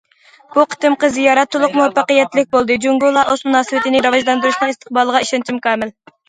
بۇ قېتىمقى زىيارەت تولۇق مۇۋەپپەقىيەتلىك بولدى، جۇڭگو- لائوس مۇناسىۋىتىنى راۋاجلاندۇرۇشنىڭ ئىستىقبالىغا ئىشەنچىم كامىل.